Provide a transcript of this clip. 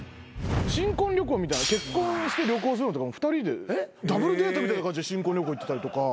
新婚旅行みたいな結婚して旅行するのとかも２人でダブルデートみたいな感じで新婚旅行行ってたりとか。